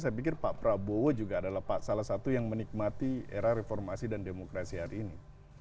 saya pikir pak prabowo juga adalah salah satu yang menikmati era reformasi dan demokrasi hari ini